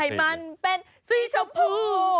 ให้มันเป็นสีชมพู่